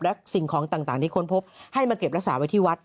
และสิ่งของต่างที่ค้นพบให้มาเก็บรักษาไว้ที่วัด